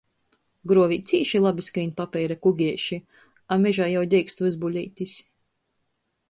Gruovī cīši labi skrīn papeira kugeiši, a mežā jau deigst vyzbuleitis.